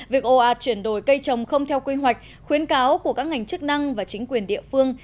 việc ồ ạt chuyển đổi cây trồng không theo quy hoạch khuyến cáo của các ngành chức năng và chính quyền địa phương